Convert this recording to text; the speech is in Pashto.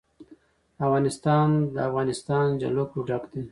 افغانستان له د افغانستان جلکو ډک دی.